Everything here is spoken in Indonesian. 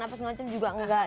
apa semacam juga enggak